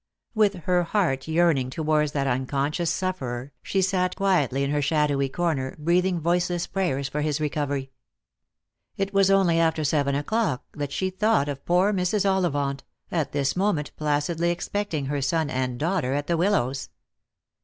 With her heart yearning towards that unconscious sufferer, she sat quietly in her shadowy corner, breathing voice less prayers for his recovery. It was only after seven o'clock that she thought of poor Mrs. Ollivant, at this moment placidly expecting her son and daughter at the Willows.